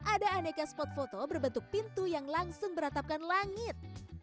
ada aneka spot foto berbentuk pintu yang langsung beratapkan langit